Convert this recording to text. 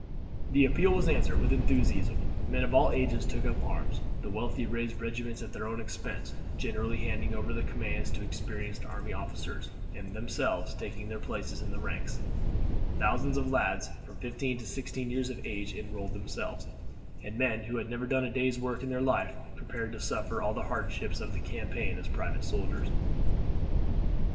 The appeal was answered with enthusiasm; men of all ages took up arms; the wealthy raised regiments at their own expense, generally handing over the commands to experienced army officers, and themselves taking their places in the ranks; thousand of lads of from fifteen to sixteen years of age enrolled themselves, and men who had never done a day's work in their life prepared to suffer all the hardships of the campaign as private soldiers.